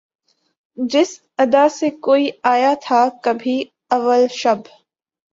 جس ادا سے کوئی آیا تھا کبھی اول شب